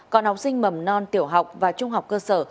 còn học sinh mầm non tiểu học và trung học cơ sở